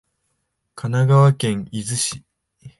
神奈川県逗子市